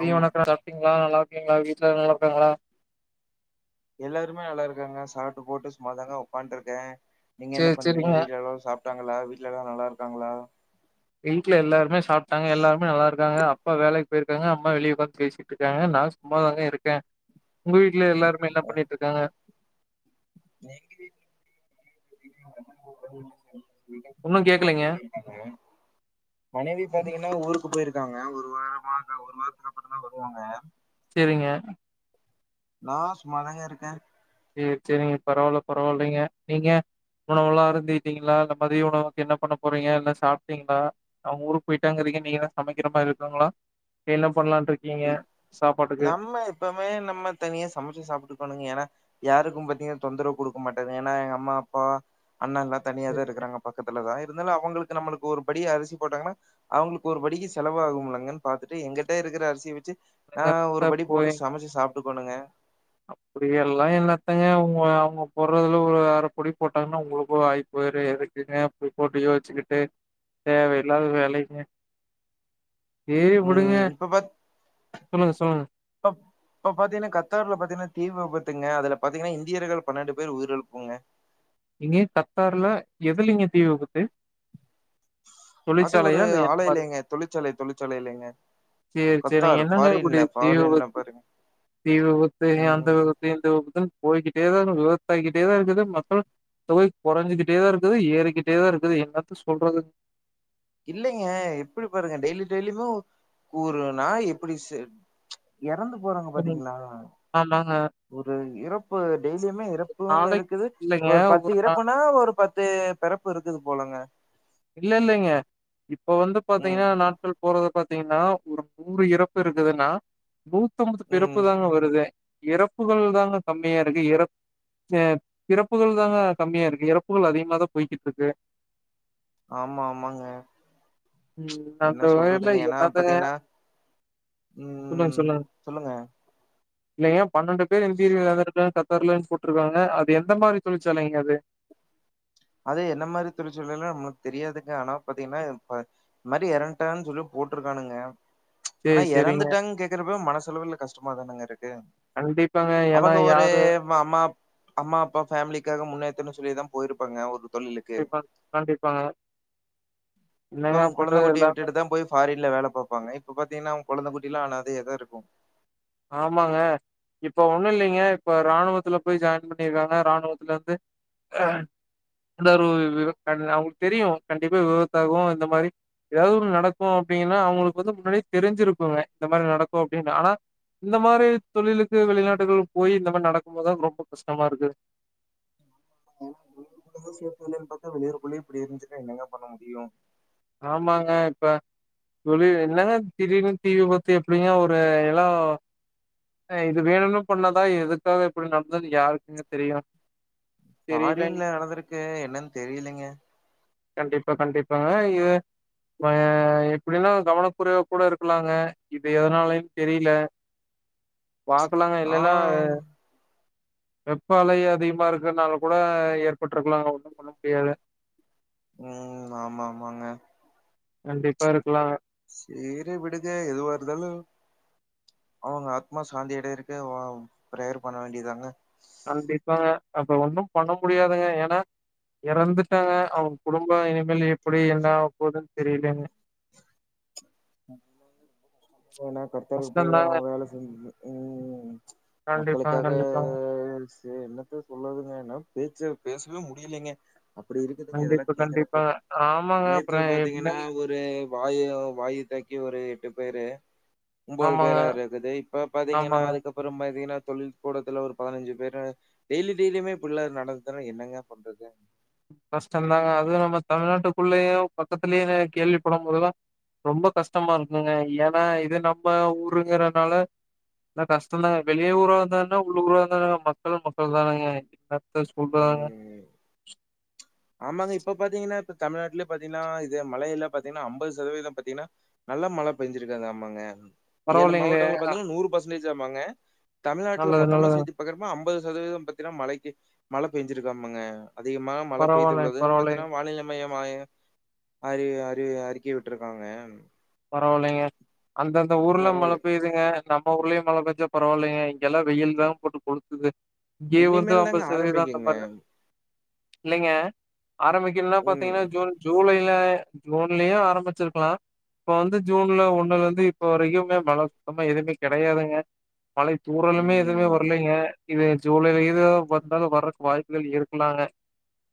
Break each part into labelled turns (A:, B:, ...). A: B
B: come
A: வணக்கம் சாப்டிங்களா நல்லா இருக்கீங்களா வீட்ல நல்லா இருக்காங்களா
B: எல்லாருமே நல்லா இருக்காங்க சாப்ட்டு போட்டு சும்மாதாங்க உக்கான்ட்டு இருக்கே நீங்க என்ன
A: சேரி
B: பண்றீங்க
A: சேரிங்க
B: வீட்ல எல்லாரும் சாப்ட்டாங்களா வீட்ல எல்லாரும் நல்லா இருக்குறாங்களா
A: வீட்ல எல்லாருமே சாப்ட்டாங்க எல்லாருமே நல்லா இருக்குறாங்க அப் அப்பா வேலைக்கு போயிருக்காங்க அம்மா வெளியே உக்காந்து பேசிட்ருக்காங்க நான் சும்மாதாங்க இருக்கேன் உங்க வீட்ல எல்லாருமே என்ன
B: ம்.
A: பண்ணிட்ருக்காங்க
B: [unintelligible] [unintelligible]
A: ஒன்னு கேக்கலைங்க
B: போயிருக்காங்க மனைவி பாத்தீங்கன்னா ஊருக்கு போயிருக் காங்க ஒரு வாரமா அந்த ஒரு வாரத்துக்கப்பறந்தா வருவாங்க
A: செரிங்க
B: நா சும்மாதாங்க இருக்க
A: சேர் சேரிங்க பரவால்ல பரவால்லைங்க நீங்க உணவுலா அருந்துயிட்டீங்களா இல்ல மதிய உணவுக்கு என்ன பண்ண போறீங்க இல்ல சாப்ட்டீங்ளா அவ்ங் ஊருக்கு போய்ட்டாங்கிறீங் நீங்கதா சமக்கிற மாரி இருக்குங்ளா இல்ல
B: நம்ம எப்பமே நம்ம தனியா சமச்சு சாப்ட்டுக்கணுங் ஏன்னா யாருக்கும் பாத்தீங்னா தொந்தரவு குடுக்க மாட்டங்க ஏன்னா எங்க அம்மா அப்பா அண்ணல்லா தனியாதா இருக்குறாங்க பக்கத்துலதா இருந்தாலு அவங்களுக்கு நம்மளுக்கு ஒரு படி அரிசி போட்டாங்கன்னா அவங்களுக்கு ஒரு படிக்கி செலவாகும்லங்கனு பாத்துட்டு எங்கிட்ட இருக்குற அரி சி வெச்சி நா ஒரு படி போட்டு சமச்சு சாப்ட்டுப்பணுங்க
A: அப்டி எல்லா என்னத்தங்க உங்க அவ்ங்க போட்றதுல ஒரு அரப்புடி போட்டாங்னா உங்களுக்கு ஆய்க்கு போய்ரு எதுக்குங்க இப்டி போட்டு யோச்சுக்கிட்டு தேவை இல்லாத வேலைங்க சேரி விடுங்க
B: ம் இப்ப பாத்
A: சொல்லுங்க சொல்லுங்க
B: இப்ப பாத்தீங்னா கத்தார்ல பாத்தீங்னா தீ விபத்துங்க அதுல பாத்தீங்னா இந்தியர்கள் பன்னெண்டு பேர் உயிரிழப்புங்க
A: இங்கே கத்தார்ல எதுலிங்க தீ விபத்து
B: அது ஒரு
A: தொழிற்சாலையா இல்ல என்ன
B: ஆலை இல்லைங்க தொழிற்சாலை தொழிற்சாலை இல்லைங்க
A: சேர் சேரி நீங்க
B: கத்தார்
A: என்னங்க
B: ஃபாரின்ல
A: [unintelligible] தீ
B: ஃபாரின்ல
A: விபத்
B: பாருங்க
A: தீ விபத்து அந்த
B: ம்
A: விபத்து இந்த விபத்துன் போய்கிட்டேதா விபத்தாய்க்கிட்டேதா இருக்குது மக்கள் தொகை கொறஞ்சுகிட்டேதா இருக்குது ஏறிக்கிட்டேதா இருக்குது என்னாத்த சொல்றது
B: இல்லைங்க எப்டி பாருங்க டெய்லி டெய்லியுமே ஒ ஒரு நாய் எப்டி செ எறந்து போறாங்க பாத்தீங்களா
A: ஆமாங்க
B: ஒரு இறப்பு டெய்லியுமே இறப்புன்னு
A: நாளைக்கு
B: இருக்குது
A: இல்லைங்க
B: ஒரு பத்து
A: நா
B: இறப்புன்னா ஒரு பத்து பெறப்பு இருக்குது போலங்க
A: இல்ல இல்லைங்க இப்ப வந்து
B: ம்
A: பாத்திங்கன்னா நாட்கள் போறது பாத்திங்கன்னா ஒரு நூறு இறப்பு இருக்குதுன்னா நூத்தம்பது
B: ம்
A: பிறப்பு தாங்க வருது இறப்புகள் தாங்க கம்மியா இருக்கு இறப் அஹ பிறப்புகள் தாங்க கம்மியா இருக்கு இறப்புகள் அதிகமாதான் போய்கிட்டு இருக்கு
B: ஆமா ஆமாங்க
A: ம் அந்த
B: என்ன
A: வகையில
B: சொல்றதுங்க ஏன்னா
A: என்னத்தங்க
B: பாத்தீனா உம்ம் சொல்லுங்க
A: இல்லைய்ங்க பன்னெண்டு பேர் [unintelligible] தெர்லனு போட்டிருக்காங்க அது எந்த மாதிரி தொழிற்சாலைங்க அது
B: அது என்ன மாதிரி தொழிற்சாலைனு நமளுக்கு தெரியாதுக்கு ஆனா பாத்தீங்கன்னா இந்த மாதிரி இறந்டாங்கனு சொல்லிப் போட்டிருக்கானுங்க ஆனா
A: சரி, சரிங்க.
B: இறந்துட்டாங்கனு கேக்குறப்பவே மனசளவுல கஷ்டமாதானேங்க இருக்கு
A: கண்டிப்பாங்க. ஏன்னா
B: அவேங்க ஒரு
A: யாரு
B: அம்மாப் அம்மா அப்பா ஃபேமிலிக்காக முன்னேத்தன்னு சொல்லிதான் போயிருப்பாங்க ஒரு தொழிலுக்கு
A: கண்டிப்பா கண்டிப்பாங்க என்னங்க
B: ப்பவங்க கொழந்தை
A: பண்றது
B: குட்டியை
A: எல்லாமே
B: விட்டுதான் போய் ஃபாரின்ல வேலை பார்ப்பாங்க இப்ப பார் தீங்கன்னா அவுங் கொழந்தை குட்டிலாம் ஆனாதயாதான் இருக்கும்
A: ஆமாங்க இப்ப ஒண்ணும் இல்லைங்க இப்ப இராணுவத்துல போய் ஜாயின் பண்ணிருக்காங்க இராணுவத்துல இருந்து அஹ் எ ஒரு விபத் அவங்களுக்கு தெரியும் கண்டிப்பா விபத்தாகும் இந்த மாரி ஏதாவது ஒன்னு நடக்கும் அப்படின்ங்கன்னா அவுங்களுக்கு வந்து முன்னாடி தெரிஞ்சிருக்குங்க இந்த மாரி நடக்கும் அப்டின்னு ஆனா இந்த மாரி தொழிலுக்கு வெளிநாட்டுகள் போய் இந்த மாதிரி நடக்கும் போதுதான் ரொம்ப கஷ்டமா இருக்கு
B: ம் சேர்த்தலுல்லானு பாத்தா வெளியூறக்குள்ளே இப்படி இருந்துசுன்னா என்னங்க பண்ண முடியும்
A: ஆமாங்க இப்ப தொழிலு என்னங்க திடீனு தீவிபத்து எப்டிங்க வரும் எல்லாம் ஹ் இது வேணும்னு பண்ணாதா எதுக்காக எப்டி நடந்தது யாருக்குங்க தெரியும் தெரியலங்க.
B: பாரின்ல நடந்திருக்கு என்னன்னு தெரியலிங்க
A: கண்டிப்பா கண்டிப்பாங்க இஹ் ஆஹ் எப்டின்னா கவனக்குறைவா கூட இருக்கலாங்க இது எதனாலன்னு தெரியல
B: [inaudible]
A: பாக்கலாங்க
B: நா
A: இல்லன்னா ஹ் வெப்பலை அதிகமா இருக்கறனால கூட ஏற்பட்டிருக்கலாங்க ஒன்னும் பண்ண முடியாது
B: உம் ஆமா ஆமாங்க
A: கண்டிப்பா இருக்கலாம்
B: செரி விடுங்க எதுவா இருந்தாலு அவுங்க ஆத்மா சாந்தியடைறக்கு பிரேயர் பண்ண வேண்டியதாங்க
A: கண்டிப்பாங்க அப்ப ஒண்ணும் பண்ண முடியாதுங்க ஏன்னா இறந்துட்டாங்க அவுங்க குடும்ப இனிமேல் எப்படி என்ன ஆவ போதுன்னு தெரியலங்க
B: [inaudible] னா கர்த்தருக்கு போய்
A: கஷ்டம்தாங்க.
B: அவன் வேலை செஞ்சினு உம்
A: கண்டிப்பாங்க,
B: மக்களுக்காக
A: கண்டிப்பாங்க.
B: சே என்னத்த சொல்லறதுங்கன்னா என்னால பேச்சே பேசவே முடியலைங்க அப்படி இருக்குதுங்க
A: கண்டிப்பா,
B: இதெல்லாம் கேக்குறப்ப
A: கண்டிப்பாங்க. ஆமாங்க.
B: நேத்து
A: அப்புறம்
B: பாத்தீங்கன்னா
A: என்னங்க
B: ஒரு வாயு வாயு தாக்கி ஒரு எட்டு பேரு ஒன்பது
A: ஆமாங்க,
B: பேரா இருக்குது இப்ப பாத்தீங்கன்னா
A: ஆமாங்க.
B: அதுக்கப்புறம் பாத்தீங்கன்னா தொழில் கூடத்துல ஒரு பதினஞ்சு பேரு டெய்லி டெய்லியுமே இப்டிபல்லா நடந்ததுன்னா என்னங்க பண்றது
A: கஷ்டம் தாங்க அது நம்ம தமிழ்நாட்டுக்குள்ளயே பக்கத்துலயே கேள்வி படும் போதுல்லா ரொம்ப கஷ்டமா இருக்குங்க ஏன்னா இது நம்ம ஊருங்கறனால என்ன கஷ்டம்தாங்க வெளிய ஊரா இருந்தானா உள்ள ஊரா இருந்தானங்க மக்களும் மக்கள் தானாங்க த சொல்றாங்க
B: ம் ஆமாங்க இப்ப பாத்தீங்கன்னா இப்ப தமிழ்நாட்டுலயே பாத்தீங்கன்னா இது மழையல்லாம் பாத்தீங்கன்னா அம்பது சதவீதம் பாத்தீங்கன்னா நல்ல மழை பெஞ்சிருக்காங்க ஆமாங்க ஏழு
A: பரவாயில்லைங்களே
B: மாவட்டங்கள பாத்தாலு நூறு பர்சன்டேஜ் ஆமாங்க தமிழ்நாட்டல
A: நல்லது
B: மொத்தமா
A: நல்லது
B: சேத்தி பாக்கறப்ப ஐம்பது சதவீதம் பத்தின்னா மழைக்கு மழ பெஞ்சிருக்காமங்க அதிகமான ம
A: பரவாயில்ல
B: பைத்துகுள்ளதா பாத்தீன்னா
A: பரவாயில்லைங்க
B: வானிலை மையம் அய் அறி அறி அறிக்கை விட்டுருக்காங்க
A: பரவாயில்லைங்க அந்தந்த ஊர்ல மழ
B: பரவால்ல
A: பேயுதுங்க நம்ம ஊர்லயு மழ பேஞ்ச்சா பரவாயில்லைங்க இங்கெல்லா வெயில்தா போட்டு கொழுத்துது இங்கே வந்து
B: இனிமேல் தாங்க
A: அம்பது சதவீதோ அந்த
B: ஆரம்பிக்குங்க
A: மாறி இல்லைங்க ஆரம்பிக்கற்துன்னா
B: ம்
A: பாத்தீங்கன்னா ஜூன் ஜூலை ல ஜூன்லயு ஆரம்பிச்சுருக்கலா இப்போ வந்து ஜூன்ல ஒண்ணுல இருந்து இப்போ வரைக்குமே மழ சுத்தமா எதுவுமே கெடையாதுங்க மழை தூரலுமே எதுவுமே
B: ம்
A: வர்லைங்க இது ஜூலைல ஏதோ வந்தாலோ வர்றக்கு வாய்ப்புகள் இருக்குலாங்க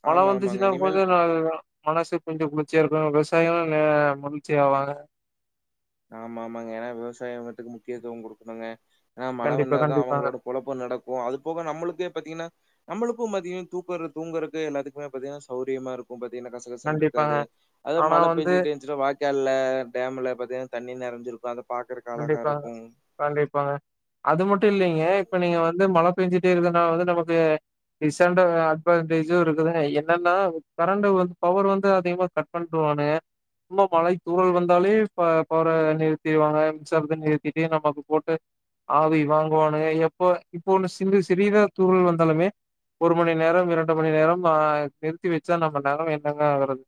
A: மழ
B: ஆமா
A: வந்து
B: ஆமாங்க
A: சின்ன [unintelligible]
B: இனிமேல்
A: நடக்கு மனசுக்கு கொஞ்சோ குளிச்சியா இருக்கு விவசிகள் ஆ மகிழ்ச்சி ஆவாங்க
B: ஆமா ஆமாங்க ஏன்னா விவசாயங்கத்துக்கு முக்கியத்துவோ கொடுக்கணுங்க ஏனா மழ
A: கண்டிப்பா
B: வந்தா தா
A: கண்டிப்பாங்க
B: அவங்களோட பொழப்பொ நடக்கு அது போக நம்மளுக்கே பாத்தீங்கன்னா நம்மளுக்கு பத்திங்க தூக்கரு தூங்கறக்கு எல்லாத்துக்குமே பாத்தீங்கன்னா சௌரியமா இருக்கு பாத் தீங்கன்னா
A: கண்டிப்பாங்க
B: கசகசன்னுருக்காது அது
A: ஆனா
B: மழ
A: வந்து
B: பெஞ்சுகுட்டே வாய்கால்ல டாம்ல பத்தீங்கன்னா தண்ணி நெறைஞ்சிருக்கு அந்த
A: கண்டிப்பாங்க கண்டிப்பாங்க அது மட்டு இல்லலைங்க இப்போ நீங்க வந்து மழ பெஞ்சிட்டே இருந்துனா வந்து நமக்கு டிச் அண்டு அட்வான்டேஜு இருக்குதுங்க என்னன்னா கரண்டு வந் பவர் வந்து அதிகமா கட் பண்ரு வானுங்க ரொம்ப மழை தூறல் வந்தாலே ப பற நிறுத்திடுவாங்க நிம்ஷ அப்டியே நிருத்திட்டு நமக்கு போட்டு ஆவி வாங்குவானுங்க எப்போ இப்ப ஒண்ணு சின்னு சிறிதா தூறல் வந்தாலுமே ஒரு மணி நேரோ இரண்டு மணி நேரம் ஆ நிறுத்தி வெச்சா நம்ம நேரங்க என்னங்க ஆவுருது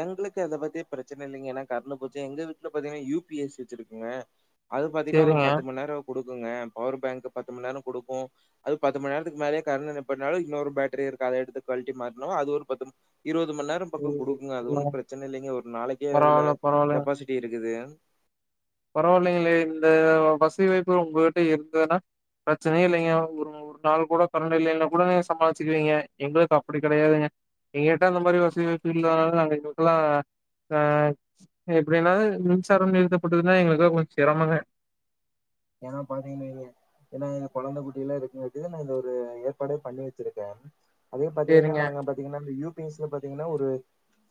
B: எங்களுக்கு அத பத்தி பிரச்சன இல்லைங்க ஏன்னா கரண்டு போச்சு எங்க வீட்டுல பாத்தீங்கன்னா யு பி எஸ் வெச்சிருக்குங்க அது பாத்திங்கன்னா ஒரு
A: சேரிங்க
B: பத்து மணி நேரோ கொடுக்குங்க பவர் பேங்க் பத்து மணி நேர கொடுக்கு அது பத்து மணி நேரத்துக்கு மேலயே கரண்ட் என்ன பண்ணாலு இன்னொரு பேட்டரி இருக்கு அத எடுத்து கழட்டி மாட்னு அது ஒரு பத்து இருவது மணி நேர பக்க கொடுக்குங்க அது ஒன்னு பிரச்சன இல்லைங்க ஒரு நாளைக்கோ அதுல
A: பரவால்ல
B: கெப்பாசிட்டி இருக்குது [inaudible]
A: பரவாயில்லைங்களே இந்த வசதி வைப்பு உங்ககிட்ட இருக்குன்னா பிரச்சனையே இல்லைங்க ஒரு ஒரு நாள் கூட கரண்ட் இல்லைன்னா கூட நீங்ங சமாளிச்சுக்குவீங்க எங்களுக்கு அப்டி கெடையாதுங்க எங்க கிட்ட அந்த மாரி வசதி வாய்ப்பு இல்ல [unintelligible] நாங்க எங்களுக்குல்லா ஆஹ எப்டினாவது மின்சாரம் நிறுத்தப்படுதுன்னா எங்களுக்கா கொஞ்ச செரமங்க
B: எங்கள பாத்தீங்க [unintelligible] ஏன்னா இங்க கொழந்த குட்டி எல்லா இருக்குதுன்ட்டு நா ஒரு ஏற்பாடே பண்ணி வெச்சிருக்கே அதே பாத்தீங்கன்னா
A: சேரிங்க
B: நாங்க பாத்தீங்கன்னா இந்த யூ பி எஸ்ல பாத்தீங்கன்னா ஒரு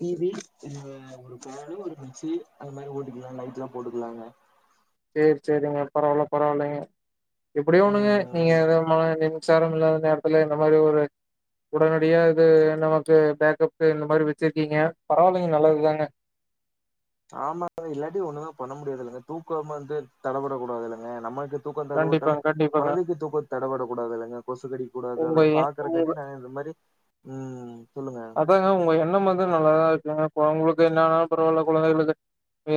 B: டி வி ஆ ஒரு காரு ஒரு மிக்சு அந்த மாரி போட்டுக்கலா [unintelligible] போட்டுக்கலாங்க
A: சரி சரிங்க பரவாயில்ல பரவாயில்லங்க எப்டியு ஒண்ணுங்க நீங்க
B: ம்.
A: எதா மா மிச்சாரம் இல்லாத நேரத்துல இந்த மாரி ஒரு உடனடியா இது நமக்கு பேக்கப் இந்த மாரி வெச்சிருக்கீங்க பரவாயில்லைங்க நல்லதுதாங்க
B: [inaudible] ஆமா இல்லாட்டி ஒண்ணுமே பண்ண முடியாது இல்லங்க தூக்கோம் வந்து தடப்படக் கூடாது இல்லங்க நம்மக்கு தூக்கோ தடப்பட்டாலு
A: கண்டிப்பாங்க கண்டிப்பாங்க
B: கொழந்தைக்கு தூக்கோ தட தடப்படக்கடாது இல்லங்க கொசு கடிக்க கூடாது
A: உங்க
B: அதெல்ல
A: எ உங்க
B: பாக்குறங்காட்டி நாங்க இந்த மாரி ம் சொல்லுங்க
A: அதாங்க உங்க எண்ணம் வந்து நல்லாதா இருக்குங்க இப்போ உங்களுக்கு என்ன ஆனாலு பரவாயில்ல கொழந்தைகளுக்கு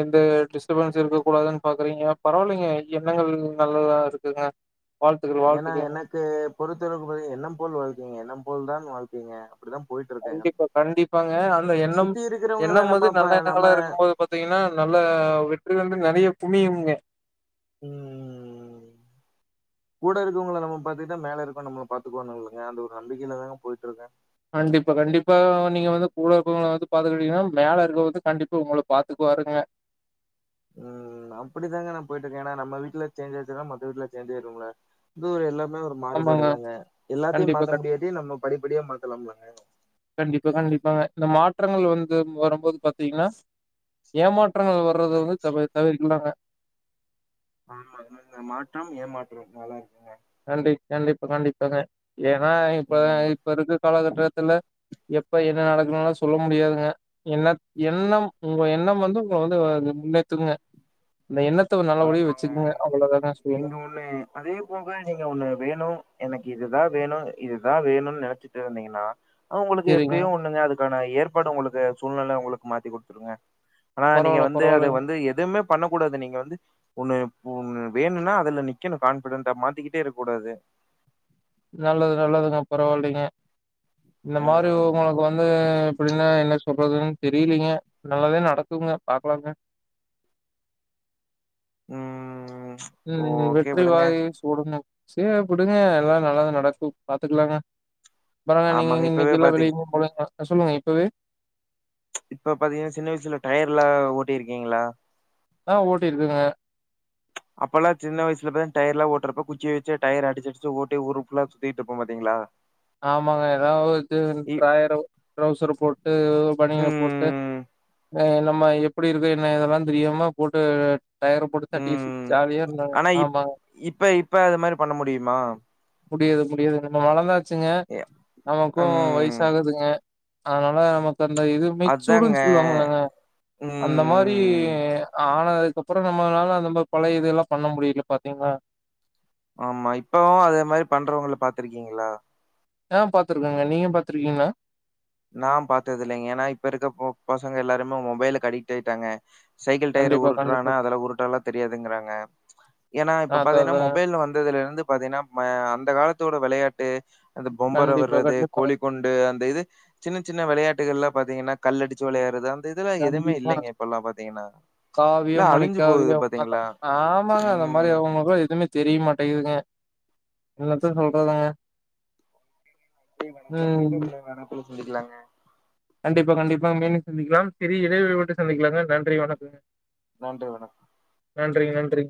A: எந்த எ டிஸ்டர்பன்ஸ்ஸு இருக்கக் கூடாதுன்னு பாக்குறீங்க பரவாயில்லைங்க எண்ணங்கள் நல்லதா இருக்குங்க வாழ்த்துக்கள்
B: ஏன்னா
A: வாழ்த்துக்கள்ங்க
B: எனக்கு பொறுத்தளவுக்கு ப எண்ணம் போல் வாழ்க்கைங்க எண்ணம் போல் தான் வாழ்க்கைங்க
A: கண்டிப்பா கண்டிப்பாங்க அந்த எண்ணம்
B: சுத்தி இருக்கிறவங்கள
A: எண்ணம் வந்து
B: நம்ம இப்ப
A: நல்ல
B: நம்ம
A: எண்ணங்களா இருக்கும் போது பாத்தீங்கன்னா நல்ல வெற்றி வந்து நெறைய புன்னியம்க
B: ம் ம் ம் கூட இருக்கவங்கள நம்ம பாத்தக்கிட்டா மேல இருக்கவ நம்மள பாத்துக்குவானுல்லிங்க அந்த ஒரு நம்பிக்கையில தாங்க போயிட்டு இருக்கே
A: கண்டிப்பா கண்டிப்பா நீங்க வந்து கூட இக்கவங்கள யாராச்சி பாத்துக்கிட்டீங்கன்னா மேல இருக்க ஒருத்த கண்டிப்பா உங்கள பாத்துக்குவா பாருங்க
B: ம் ம் அப்படித்தா நா போயிட்டு இருக்கே என்னா நம்ம வீட்டுல சேஞ்சாயிடுச்சினா மத்த வீட்ல சேஞ்சாயிடும்ல இது ஒரு எல்லாம் எல்லா ஒரு மாறுபாடு
A: ஆமாங்க
B: தாங்க எல்லாத்தையும்
A: கண்டிப்பா
B: மாத்த
A: கண்டி
B: முடியாட்டியு நம்ம படிப்படியா மாத்தலாம்லங்க
A: கண்டிப்பா கண்டிப்பாங்க இந்த மாற்றங்கள் வந்து வரும்போது பாத்தீங்கன்னா ஏமாற்றங்கள் வர்றத வந்து தவிர் தவிர்கலாங்க
B: ஆமாங்க இந்த மாற்றம் ஏமாற்றோ நல்லா இருக்குங்க
A: கண்டி கண்டிப்பா கண்டிப்பாங்க ஏன்னா இப்ப
B: ம்
A: இப்ப இருக்க காலகட்டத்துல எப்ப என்ன நடக்குன்லா சொல்ல முடியாதுங்க என்ன எண்ணம் உங்க எண்ணம் வந்து உங்க வந்து முன்னேத்துங்க
B: [unintelligible]
A: இந்த எண்ணத்த ஒரு நல்ல ஒலிய
B: ஆமாங்க
A: வெச்சுக்கங்க அவ்வளோதாங்க சொல்லுவே
B: எனக் ஒன்னு வேணு எனக்கு இதுதா வேணு இதுதா வேணும்னு நெனைச்சிட்டு இருந்தீங்கன்னா ஆ உங்களுக்கு
A: சரிங்க.
B: எப்டியு ஒன்னுங்க அதுக்கான ஏற்பாடு உங்களுக்கு சூழ்நெல உங்களுக்கு மாத்தி குடுத்துருங்க ஆனா நீங்க
A: பரவால்ல
B: வந்து அத
A: பரவால்லங்க.
B: வந்து எதுவுமே பண்ண கூடாது நீங்க வந்து ஒன்னு இப் ஒன்னு வேணும்னா அதுல நிக்கனு கான்ஃபிடண்டா மாத்திக்கிட்டே இருக்க கூடாது
A: நல்லது நல்லதுங்க பரவாயில்லைங்க இந்த மாரி
B: ம்
A: உங்களுக்கு வந்து எப்டின்னா என்ன சொல்றதுன்னு தெரியலிங்க நல்லாதே நடக்குங்க பாக்கலாங்க
B: ம்
A: ம் ம்
B: ஓகே
A: வெற்றி
B: விடுங்க
A: வாகையை சூடனு சேர் உடுங்க எல்லா நல்லா தா நடக்கும் பாத்துக்கலாங்க பாருங்க நீங்க
B: ஆமாங்க
A: இனி
B: இப்பவே
A: இன்னைக்கி
B: பாத்தீங்
A: வேலையு பாருங்க சொல்லுங்க இப்பவே
B: இப்ப பாத்தீங்கன்னா சின்ன வயசுல டயர் எல்லா ஓட்டி இருக்கீங்களா
A: ஆ ஓட்டி இருக்கங்க
B: அப்பெல்லா சின்ன வயசுல பார் டயர்லா ஓட்டுறப்ப குச்சி வெச்சி டயர அடிச்சி அடிச்சி ஒட்டி ஊரு ஃபுல்லா சுத்திட்டு இருப்போ பாத்தீங்களா
A: ஆமாங்க ஏதாவது ஒரு இது
B: இ
A: ட்ராயர டவுசர போட்டு எதோ ஒரு பனியன போட்டு
B: ஹ
A: த நம்ம எப்டி இருக்கோ என்ன எதெல்லா தெரியாம போட்டு டயர போட்டு தட்டி
B: ம்
A: ஜாலியா இருந்தோ
B: ஆனா இப்
A: ஆமா
B: இப்ப இப்ப அது மாரி பண்ண முடியுமா
A: முடியாது முடியாது நம்ம வளந்தாச்சிங்க
B: எ
A: நமக்கு
B: ம்
A: வயிசாகுதுங்க அதனால நமக் இது அந்த இது
B: அதாங்க
A: மெச்சூடுன்னு சொல்லுவாங்கில்லங்க அந்த மாரி
B: ம்
A: ஆனா அதுக்கப்புறோ நம்மளால அந்த நம்போ பழைய இது எல்லா பண்ண முடியல பாத்தீங்களா
B: ஆமா இப்பவு அதே மாரி பண்றவங்கள பாத்திருக்கீங்களா
A: ஆ பாத்திருக்கேங்க நீங்க பாத்திருக்கீங்கலா
B: நா பாத்ததில்லிங்க ஏன்னா இப்ப இருக்க ப பசங்க எல்லாருமே மொபைலுக்கு அடிக்ட் ஆயிட்டாங்க சைக்கிள் டயர
A: கண்டிப்பா, கண்டிப்பா.
B: உருட்றானா அதெல்லா உருட்டெல்லா தெரியாதுங்கிறாங்க ஏன்னா இப்ப
A: அதான்,
B: பாத்தீங்கன்னா
A: அதாங்க.
B: மொபைல் வந்ததுல இருந்து பாத்தீங்கன்னா ம அந்த காலத்தோட வெளையாட் ட்டு அந்த பொம்பரோ
A: கண்டிப்பா,
B: விட்றது
A: கண்டிப்பா,
B: கோலிக்குண்டு அந்த இது சின் சின்ன விளையாட்டுகள் எல்லா பாத்திங்கன்னா கல் அடிச்சி விளையாட்றது அந்த இதெல்லா எதுமே
A: கண்டிப்பா.
B: இல்லைங்க இப்பெல்லா பாத்தீங்கன்னா
A: காவியம் மணிக்காவியம் அந்த ஆமாங்க அந்த மாரி
B: ம்.
A: அவுங்களுக்லா எதுவுமே தெரிய மாட்டேங்குதுங்க என்னத்த சொல்றதுங்க
B: நன்றி வணக்கம் மீண்டும்
A: ம்.
B: [unintelligible] சந்திக்கலாங்க
A: கண்டிப்பா, கண்டிப்பாங்க. மீண்டும் சந்திக்கலாம் சிறிய இடைவெளி விட்டு சந்திக்கலாங்க நன்றி வணக்கங்க
B: நன்றி வணக்கம்
A: நன்றி நன்றி